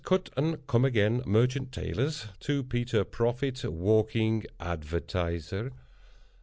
Cut & Comeagain, Merchant Tailors. To Peter Proffit, Walking Advertiser,_ Drs.